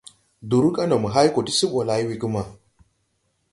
Dur ga ndo mo hay go ti se ɓo lay wegema.